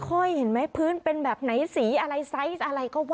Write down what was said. ค่อยเห็นไหมพื้นเป็นแบบไหนสีอะไรไซส์อะไรก็ว่า